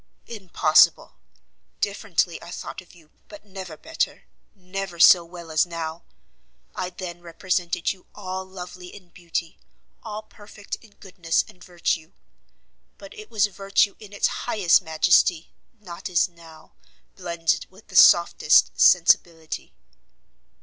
"Impossible! differently, I thought of you, but never, better, never so well as now. I then represented you all lovely in beauty, all perfect in goodness and virtue; but it was virtue in its highest majesty, not, as now, blended with the softest sensibility."